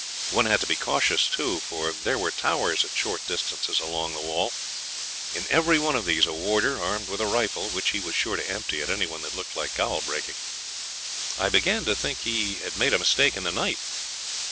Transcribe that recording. One had to be cautious, too, for there were towers at short distances along the wall; in every one of these a warder, armed with a rifle, which he was sure to empty at any one that looked like gaol breaking. I began to think he had made a mistake in the night.